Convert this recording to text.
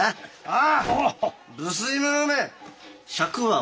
ああ。